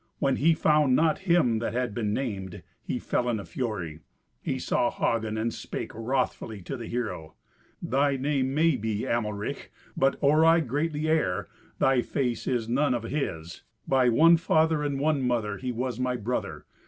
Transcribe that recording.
When he found not him that had been named, he fell into a fury; he saw Hagen, and spake wrothfully to the hero, "Thy name may be Amelrich, but, or I err greatly, thy face is none of his. By one father and one mother he was my brother.